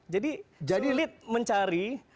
jadi sulit mencari